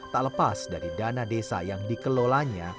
tak lepas dari dana desa yang dikelolanya